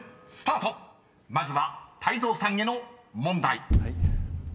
［まずは泰造さんへの問題］